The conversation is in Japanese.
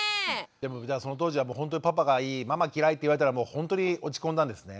でもその当時はもうほんとにパパがいいママ嫌いって言われたらもうほんとに落ち込んだんですね。